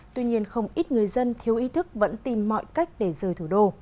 tuy nhiên không ít người dân thiếu ý thức vẫn tìm mọi cách để rời thủ đô